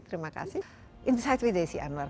terima kasih insight with desi anwar